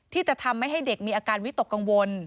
ที่จะทำให้เด็กมีอาการวิตกกังวล